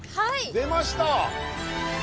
出ました。